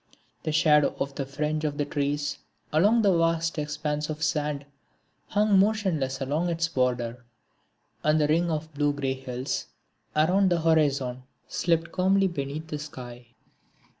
The shadow of the fringe of trees along the vast expanse of sand hung motionless along its border, and the ring of blue grey hills around the horizon slept calmly beneath the sky.